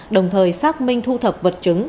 đồng thời xác minh thu thập vật chứng